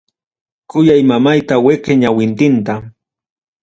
Kuyay mamayta weqe ñawintinta.